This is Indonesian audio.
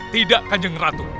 tidak kajeng ratu